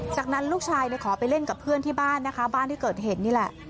จากนั้นลูกชายขอไปเล่นกับเพื่อนที่บ้านนะคะบ้านที่เกิดเหตุนี่แหละ